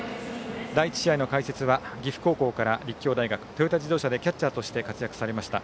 第１試合の解説は岐阜高校から立教大学トヨタ自動車でキャッチャーとして活躍されました